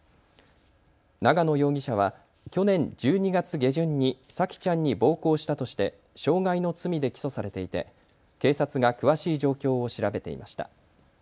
長野容疑者は去年１２月下旬に沙季ちゃんに暴行したとして傷害の罪で起訴されていて警察が詳しい状況を調べていました。